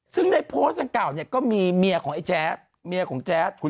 ซึ่งในโพสต์เรื่องเก่าก็มีเมียของแจ้ง